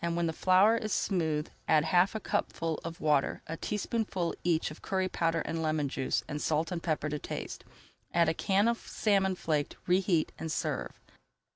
When the flour is smooth, add half a cupful of water, a teaspoonful each of curry powder and lemon juice, and salt and pepper to taste. Add a can of salmon flaked, reheat, and serve.